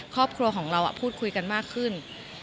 ครอบครัวของเราพูดคุยกันมากขึ้น